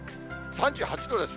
３８度です。